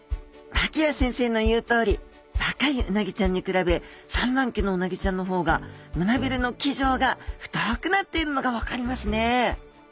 脇谷先生の言うとおり若いうなぎちゃんに比べ産卵期のうなぎちゃんの方が胸びれの鰭条が太くなっているのが分かりますね